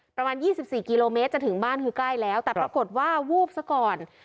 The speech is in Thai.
ประมาณ๒๔กิโลเมตรจะถึงบ้านคือใกล้แล้วแต่ปรากฏว่าวูบซะก่อน